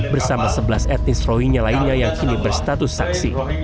bersama sebelas etnis rohingya lainnya yang kini berstatus saksi